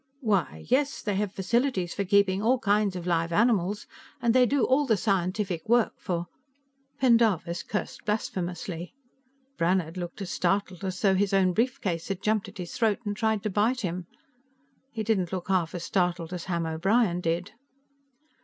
"Why, yes; they have facilities for keeping all kinds of live animals, and they do all the scientific work for " Pendarvis cursed blasphemously. Brannhard looked as startled as though his own briefcase had jumped at his throat and tried to bite him. He didn't look half as startled as Ham O'Brien did.